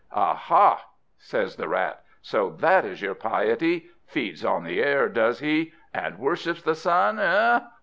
"Aha!" says the Rat, "so that is your piety! Feeds on the air, does he! and worships the sun eh?